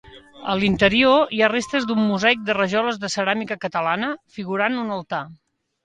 A l'interior hi ha restes d'un mosaic de rajoles de ceràmica catalana, figurant un altar.